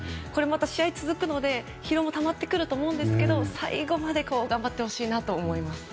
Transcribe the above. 試合が続くので疲労はたまってくると思いますが最後まで頑張ってほしいなと思います。